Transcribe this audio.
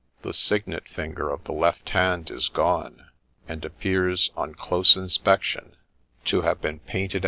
The signet finger of the left hand is gone, and appears, on close inspection, to have been painted out 90 • MRS.